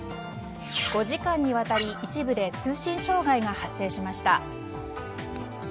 ５時間にわたり一部で通信障害が発生しました。